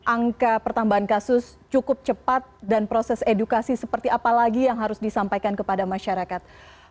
angka pertambahan kasus cukup cepat dan proses edukasi seperti apa lagi yang harus disampaikan kepada masyarakat